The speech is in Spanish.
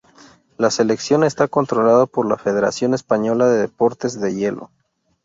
La selección está controlada por la Federación Española de Deportes de Hielo.